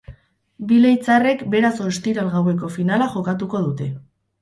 Bi leitzarrek beraz ostiral gaueko finala jokatuko dute.